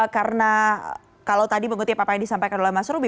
karena kalau tadi mengerti apa yang disampaikan oleh mas rubi